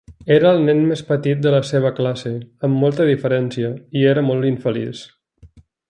Era el nen més petit de la seva classe, amb molta diferència, i era molt infeliç.